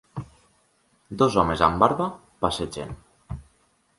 Dos homes amb barba passegen.